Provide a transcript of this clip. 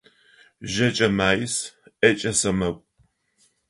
Жэкӏэ маис, ӏэкӏэ сэмэгу.